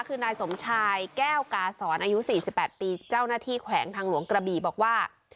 คือนายสมชายแก้วกาศรอายุ๔๘ปีเจ้าหน้าที่แขวงทางหลวงกระบี่บอกว่า